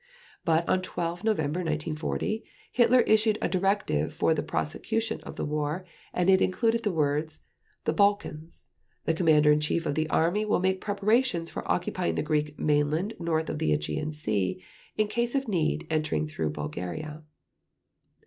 But on 12 November 1940 Hitler issued a directive for the prosecution of the war, and it included the words: "The Balkans: The Commander in Chief of the Army will make preparations for occupying the Greek mainland north of the Aegean Sea, in case of need entering through Bulgaria."